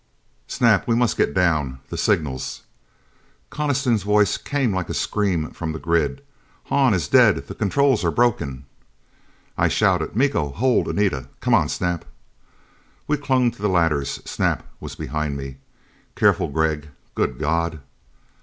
"Snap, we must get down. The signals." Coniston's voice came like a scream from the grid. "Hahn is dead. The controls are broken!" I shouted, "Miko, hold Anita! Come on, Snap!" We clung to the ladders. Snap was behind me. "Careful, Gregg! Good God!"